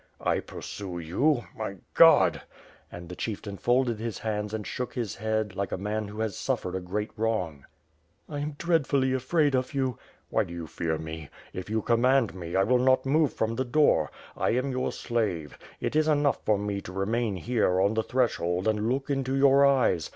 "I pursue you! My God!" And the chieftain folded his hands and shook his head, like a man who has suffered a great wrong. "I am dreadfully afraid of you." "Why do you fear me? If you command me, I will not move from the door. I am your slave. It is enough for me to remain here, on the threshold, and look into your eyes.